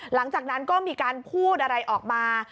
หลังจากนั้นก็มีการพูดอะไรออกมา